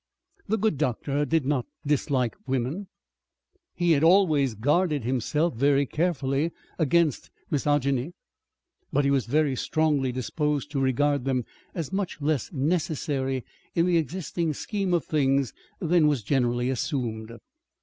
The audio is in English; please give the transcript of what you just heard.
The good doctor did not dislike women, he had always guarded himself very carefully against misogyny, but he was very strongly disposed to regard them as much less necessary in the existing scheme of things than was generally assumed.